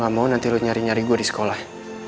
veronica juga nyebel nyari di sekolah